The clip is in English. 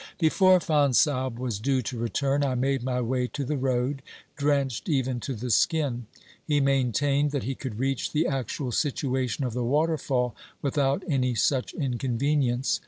Before Fonsalbe was due to return I made my way to the road, drenched even to the skin. He maintained that he could reach the actual situation of the waterfall without any such inconvenience.